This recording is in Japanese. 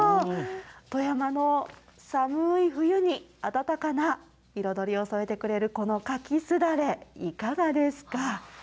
富山の寒ーい冬に、あたたかな彩りを添えてくれるこの柿すだれ、いかがですか。